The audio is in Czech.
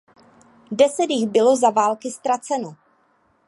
Deset jich bylo za války ztraceno.